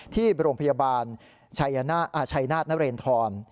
ที่โรงพยาบาลชัยนาธนเรนทร